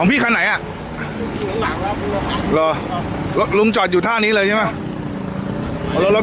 ของพี่คันไหนอ่ะรู้ล่ะรุมจอดอยู่ท่านี้เลยใช่ไหม